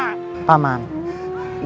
itu semua terjadi karena beras gua